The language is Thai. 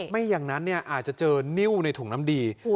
ไม่อย่างนั้นอาจจะเจอนิ้วในถุงน้ำดี